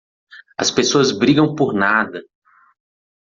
As pessoas brigam por nada.